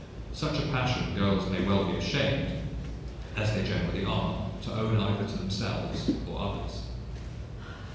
Such a passion girls may well be ashamed, as they generally are, to own either to themselves or others.